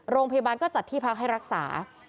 โรงพยาบาลก็จัดที่พักให้รักษา